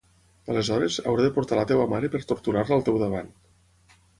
Aleshores, hauré de portar la teva mare per torturar-la al teu davant.